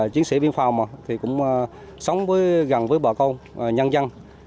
chiến sĩ biên phòng thì cũng sống gần với bà con nhân dân